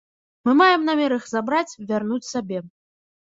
Мы маем намер іх забраць, вярнуць сабе.